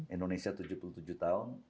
indonesia tujuh puluh tujuh tahun